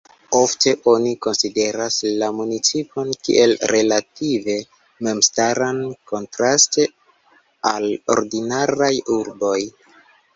Ofte oni konsideras la municipon kiel relative memstaran, kontraste al ordinaraj urboj.